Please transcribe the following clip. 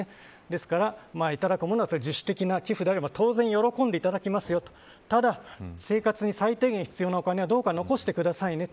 ですから、いただくものは自主的な寄付であれば当然喜んでいただきますよとただ、生活に最低限必要なお金はどうか残してくださいね。